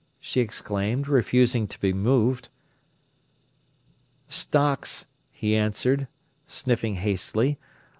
she exclaimed, refusing to be moved. "Stocks!" he answered, sniffing hastily.